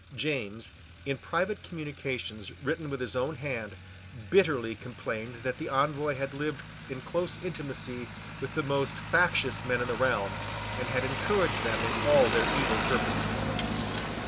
James, in private communications written with his own hand, bitterly complained that the Envoy had lived in close intimacy with the most factious men in the realm, and had encouraged them in all their evil purposes.